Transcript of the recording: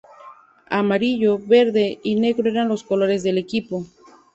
Amarillo, verde y negro eran los colores del equipo.